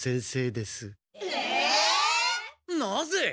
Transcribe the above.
なぜ？